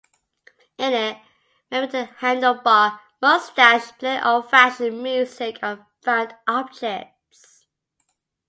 In it, men with handlebar moustaches play old-fashioned music on found objects.